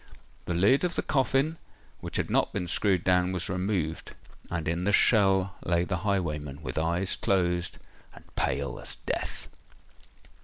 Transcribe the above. The lid of the coffin, which had not been screwed down, was removed; and in the shell lay the highwayman—with eyes closed—and pale as death!